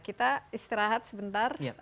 kita istirahat sebentar